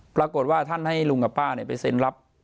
ปรากฏว่าท่านให้ลุงกับป้าไปเซ็นรับ